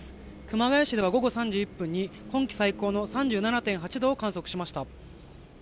熊谷市では午後に今季最高の３７．８度を観測しました。